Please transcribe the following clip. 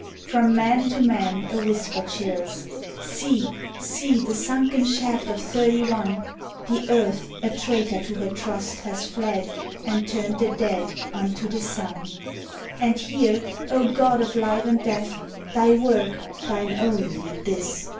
From man to man, a whisper chills: "See, see, The sunken shaft of Thirty one! The earth, a traitor to her trust, has fled And turned the dead unto the sun. "And here O God of life and death! Thy work, Thine only, this!"